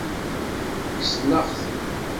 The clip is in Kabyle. Kksen-aɣ-ten.